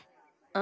あ？